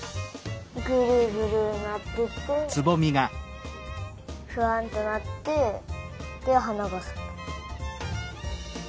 ぐるぐるなっててふわんとなってではながさく。